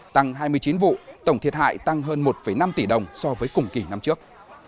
tăng hai mươi chín vụ tổng thiệt hại tăng hơn một năm tỷ đồng so với cùng kỳ năm trước